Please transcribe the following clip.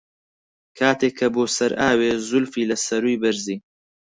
کاتێ کە بۆ سەر ئاوێ، زولفی لە سەرووی بەرزی